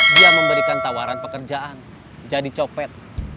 dia memberikan tawaran pekerjaan jadi copet